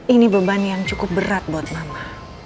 ini beban yang cukup berat buat mama